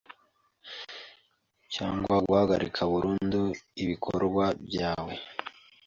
cyangwa guhagarika burundu ibikorwa byawe